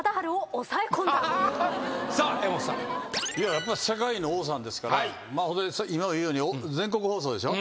やっぱ世界の王さんですから今も言うように全国放送でしょ。